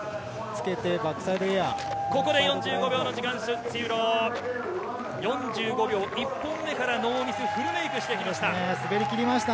ここで４５秒の時間終了、４５秒１本目からノーミス、フルメイクしてきました。